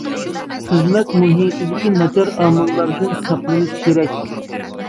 خىزمەت مۇھىتىدىكى ناچار ئامىللاردىن ساقلىنىش كېرەك.